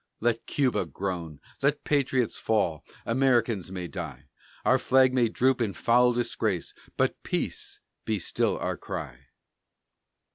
Let Cuba groan, let patriots fall; Americans may die; Our flag may droop in foul disgrace, But "Peace!" be still our cry.